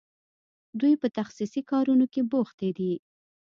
دوی په تخصصي کارونو کې بوختې دي.